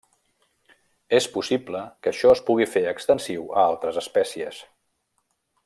És possible que això es puga fer extensiu a altres espècies.